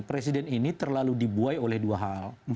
presiden ini terlalu dibuai oleh dua hal